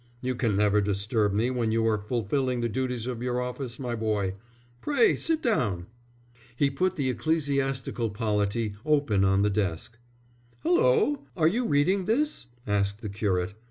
"You can never disturb me when you are fulfilling the duties of your office, my boy. Pray sit down." He put the Ecclesiastical Polity open on the desk. "Hulloa, are you reading this?" asked the curate.